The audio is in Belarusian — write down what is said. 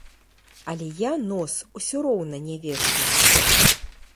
Але я нос ўсё роўна не вешаю!